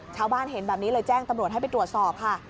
ชาวบ้านเห็นแบบนี้เลยแจ้งตำรวจให้ไปตรวจสอบค่ะ